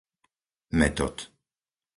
Metod